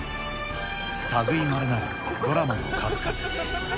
たぐいまれなるドラマの数々。